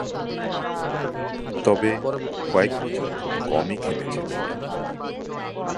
তবে, কয়েকবছর খুব কমই খেলেছিলেন।